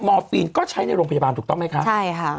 อร์ฟีนก็ใช้ในโรงพยาบาลถูกต้องไหมคะใช่ค่ะ